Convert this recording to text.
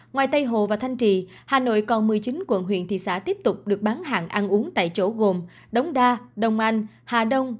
ngoài tây hồ và thanh trì hà nội còn một mươi chín quận huyện thị xã tiếp tục được bán hàng ăn uống tại chỗ gồm đống đa đông anh hà đông